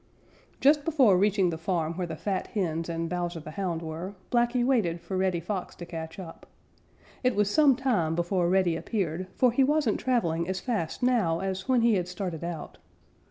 _ Just before reaching the farm where the fat hens and Bowser the Hound were, Blacky waited for Reddy Fox to catch up. It was some time before Reddy appeared, for he wasn't traveling as fast now as when he had started out.